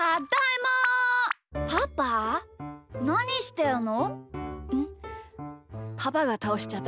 もうパパなにしてんの！